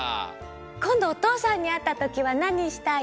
こんどおとうさんにあったときはなにしたい？